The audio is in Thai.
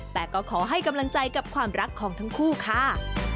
แต่ก็ขอให้กำลังใจกับความรักของทั้งคู่ค่ะ